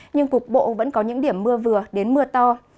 nhưng cục bộ vẫn có những điểm mưa vừa đến mưa to